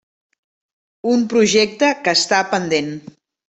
Un projecte que està pendent.